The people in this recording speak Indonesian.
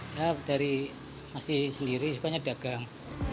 ya dari nasi sendiri supaya dagang